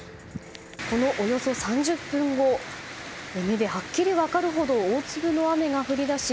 このおよそ３０分後目ではっきり分かるほど大粒の雨が降り出し